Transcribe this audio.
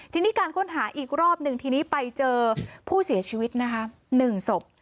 ทีนี้การค้นหาอีกรอบหนึ่งทีนี้ไปเจอผู้เสียชีวิตนะคะ๑ศพ